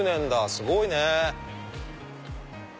すごいね。